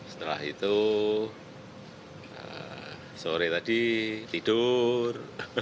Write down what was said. setelah itu sore tadi tidur